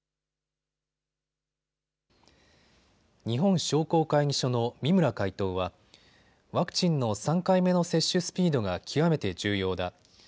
日本商工会議所の三村会頭はワクチンの３回目の接種スピードが極めて重要だ。